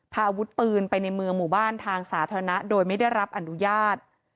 พาอาวุธปืนไปในเมืองหมู่บ้านทางสาธารณะโดยไม่ได้รับอนุญาต